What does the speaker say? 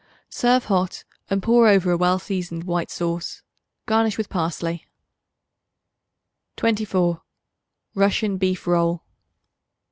Serve hot, and pour over a well seasoned white sauce. Garnish with parsley. 24. Russian Beef Roll.